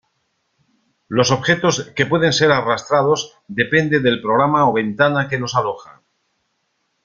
Los objetos que pueden ser arrastrados depende del programa o ventana que los aloja.